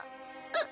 あっ。